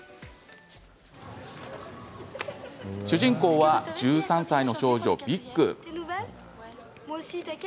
主人公は１３歳の少女、ビック。